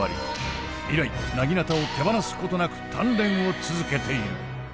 以来薙刀を手放すことなく鍛錬を続けている。